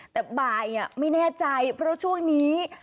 แต่บ่ายไม่แน่ใจเพราะช่วงนี้